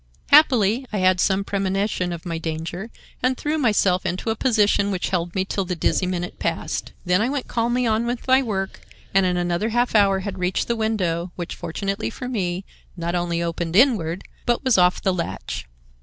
"Happily, I had some premonition of my danger, and threw myself into a position which held me till the dizzy minute passed. Then I went calmly on with my work, and in another half hour had reached the window, which, fortunately for me, not only opened inward, but was off the latch.